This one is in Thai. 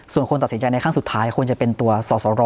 ส่วนคนตัดสินใจในครั้งสุดท้ายควรจะเป็นตัวสอสร